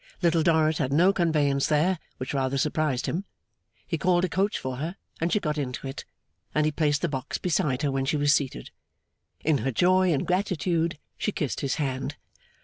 Little Dorrit had no conveyance there: which rather surprised him. He called a coach for her and she got into it, and he placed the box beside her when she was seated. In her joy and gratitude she kissed his hand.